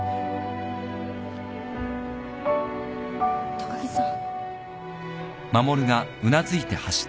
高木さん。